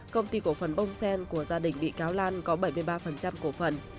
công ty cổ phần bông sen của gia đình bị cáo lan có bảy mươi ba cổ phần